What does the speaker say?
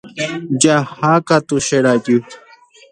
Jahákatu che rajy.